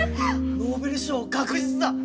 ノーベル賞確実だ！